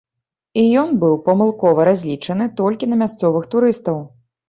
І ён быў памылкова разлічаны толькі на мясцовых турыстаў.